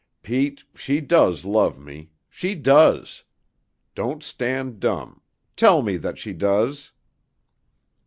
Pete, she does love me. She does. Don't stand dumb; tell me that she does."